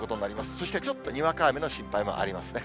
そしてちょっとにわか雨の心配もありますね。